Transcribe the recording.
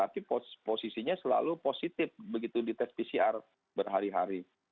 posisi saya selalu positif begitu di tes pcr berhari hari